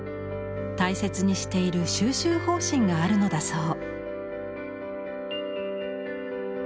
大切にしている蒐集方針があるのだそう。